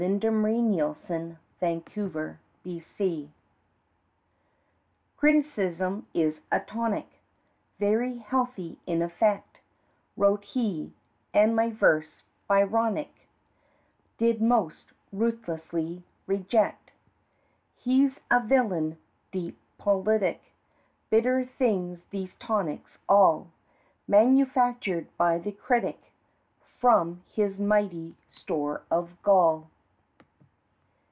] He Meditates on the Critic "Criticism is a tonic, Very healthy in effect," Wrote he, and my verse Byronic Did most ruthlessly reject. He's a villain deep politic Bitter things these tonics, all, Manufactured by the critic From his mighty store of gall.